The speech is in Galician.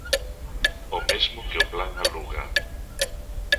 O mesmo que o plan Aluga.